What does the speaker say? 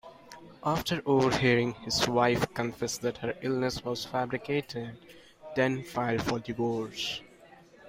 After over-hearing his wife confess that her illness was fabricated, Den filed for divorce.